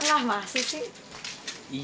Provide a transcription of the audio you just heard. lah masih sih